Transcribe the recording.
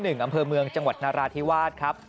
อำเภอเมืองจังหวัดนราธิวาสครับ